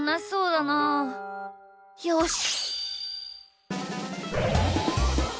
よし！